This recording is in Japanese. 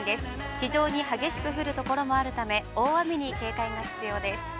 非常に激しく降るところもあるため、大雨に警戒が必要です。